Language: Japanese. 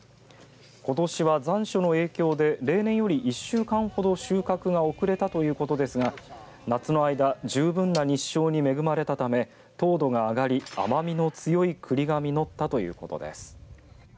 ことしは残暑の影響で例年より１週間ほど収穫が遅れたということですが夏の間十分な日照に恵まれたため糖度が上がり甘みの強いくりが実ったということです。